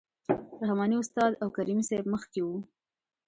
رحماني استاد او کریمي صیب مخکې وو.